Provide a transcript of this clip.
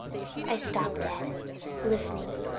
I stopped dead, listening.